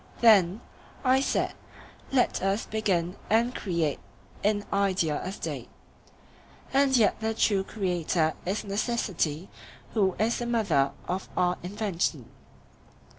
Then, I said, let us begin and create in idea a State; and yet the true creator is necessity, who is the mother of our invention.